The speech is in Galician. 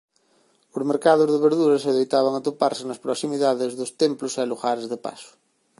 Os mercados de verduras adoitaban atoparse nas proximidades dos templos e lugares de paso.